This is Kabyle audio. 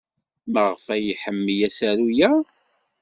Maɣef ay iḥemmel asaru-a?